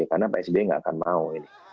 karena pak sbi nggak akan mau